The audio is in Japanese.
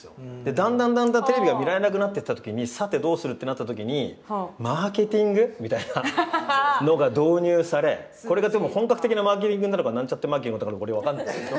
だんだんだんだんテレビが見られなくなっていった時にさてどうするってなった時にマーケティングみたいなのが導入されこれがでも本格的なマーケティングになるかなんちゃってマーケティングになるかは分からないけど。